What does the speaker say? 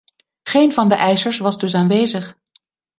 Geen van de eisers was dus aanwezig.